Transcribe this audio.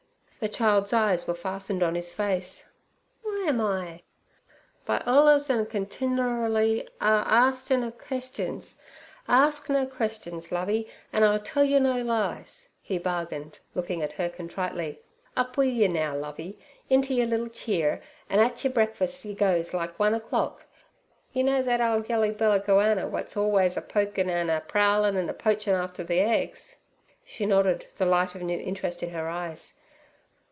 The child's eyes were fastened on his face: 'W'y am I?' 'By allus an' continerally a astin' ov questions. Arsk no questions, Lovey, an' I'll tell yer no lies' he bargained, looking at her contritely. 'Up wi' yer neow, Lovey, inter yer liddle cheer, an' at yer breakfuss yer goes like one o'clock. Yer know thet ole yeller belly goanner wot's always a pokin' an' a—prowlin' an' a poachin' after ther eggs?' She nodded, the light of new interest in her eyes.